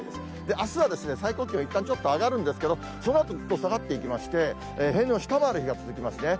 あすは最高気温、いったんちょっと上がるんですけれども、そのあと下がっていきまして、平年を下回る日が続きますね。